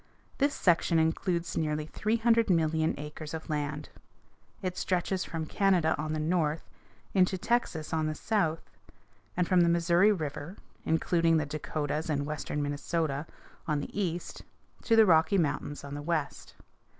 This section includes nearly three hundred million acres of land. It stretches from Canada on the north into Texas on the south, and from the Missouri River (including the Dakotas and western Minnesota) on the east to the Rocky Mountains on the west.